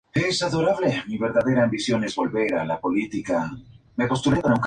Nota: Todos los equipos usan Adidas como fabricante del kit.